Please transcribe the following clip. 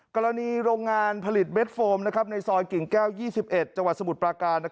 กรณีโรงงานผลิตเม็ดโฟมในซอยกิ่งแก้ว๒๑จังหวัดสมุทรปราการ